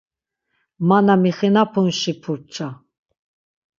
Ma na mixinapunşi purpça.